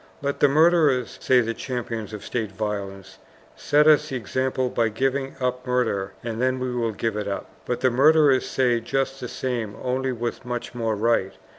"Let the murderers," say the champions of state violence, "set us the example by giving up murder and then we will give it up." But the murderers say just the same, only with much more right.